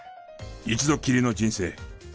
一度きりの人生。